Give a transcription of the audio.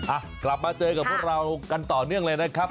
อ่ะกลับมาเจอกับพวกเรากันต่อเนื่องเลยนะครับ